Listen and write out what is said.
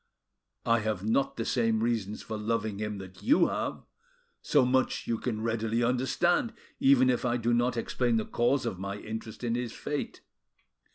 I have not the same reasons for loving him that you have, so much you can readily understand, even if I do not explain the cause of my interest in his fate.